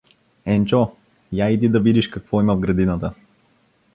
Енчо, я иди да видиш какво има в градината.